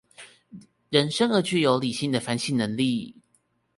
人生而具有理性的反省能力